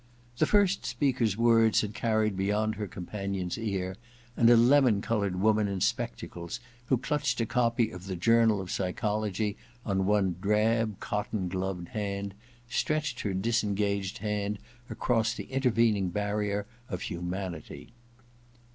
The first speaker's words had carried beyond her companion's ear, and a lemon coloured woman in spectacles, who clutched a copy of the * Journal of Psychology ' in one drab cotton gloved hand, stretched her disengaged hand across the intervening barrier of humanity.